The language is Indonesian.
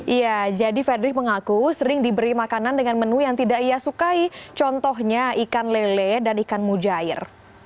iya jadi fredrik mengaku sering diberi makanan dengan menu yang tidak ia sukai contohnya ikan lele dan ikan mujair